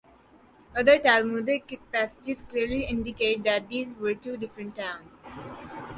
Other Talmudic passages clearly indicate that these were two different towns.